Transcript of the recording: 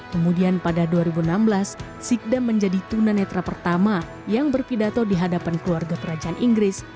kemudian pada dua ribu enam belas sikdam menjadi tunanetra pertama yang berpidato di hadapan keluarga kerajaan inggris